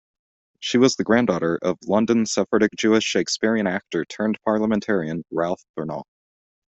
She was the granddaughter of London Sephardic Jewish Shakespearian actor turned parliamentarian Ralph Bernal.